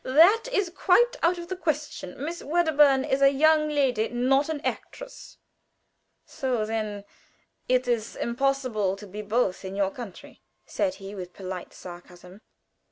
"That is quite out of the question. Miss Wedderburn is a young lady not an actress." "So! Then it is impossible to be both in your country?" said he, with polite sarcasm.